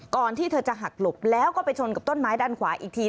ที่เธอจะหักหลบแล้วก็ไปชนกับต้นไม้ด้านขวาอีกที